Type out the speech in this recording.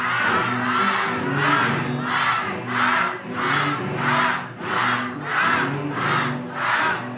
ครับครับครับ